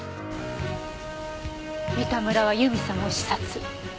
三田村は由美さんを刺殺。